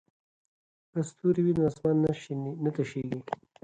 که ستوري وي نو اسمان نه تشیږي.